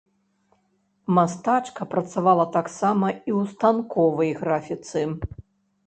Мастачка працавала таксама і ў станковай графіцы.